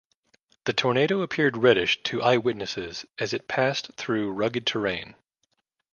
The tornado appeared reddish to eyewitnesses as it passed through rugged terrain.